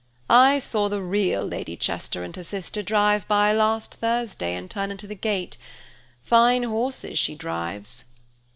"I saw the real Lady Chester and her sister drive by last Thursday and turn into the gate; fine horses she drives."